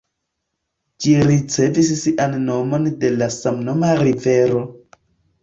Ĝi ricevis sian nomon de la samnoma rivero.